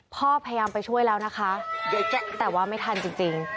พ่อพยายามไปช่วยแล้วนะคะแต่ว่าไม่ทันจริง